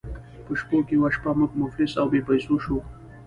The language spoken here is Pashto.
په شپو کې یوه شپه موږ مفلس او بې پیسو شوو.